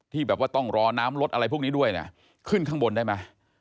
ที่แบบว่าต้องรอน้ำรถอะไรพวกนี้ด้วยเนี่ยขึ้นข้างบนได้ไหม